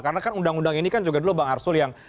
karena kan undang undang ini kan juga dulu bang arsul yang